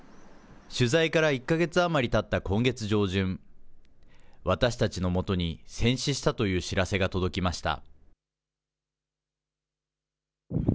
取材から１か月余りたった今月上旬、私たちのもとに戦死したという知らせが届きました。